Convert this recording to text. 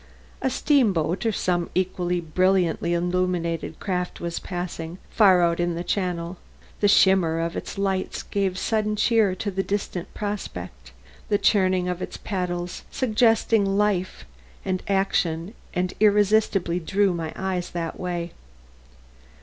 A steamboat or some equally brilliantly illuminated craft was passing, far out in the channel; the shimmer of its lights gave sudden cheer to the distant prospect; the churning of its paddles suggested life and action and irresistibly drew my eyes that way.